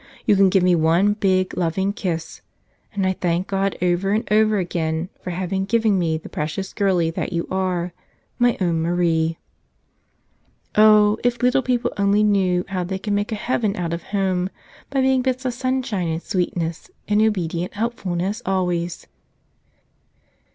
"You can give me one big, loving kiss. And I thank God over and over again for having given me the precious girlie that you are, my own Marie !" Oh, if little people only knew how they can make a heaven out of home by being bits of sunshine, and sweetness, and obedient helpfulness always